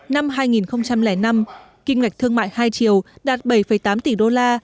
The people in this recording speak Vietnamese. năm hai nghìn năm kinh ngạch thương mại hai triệu đạt bảy tám tỷ đô